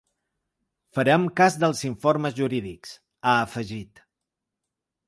“Farem cas dels informes jurídics”, ha afegit.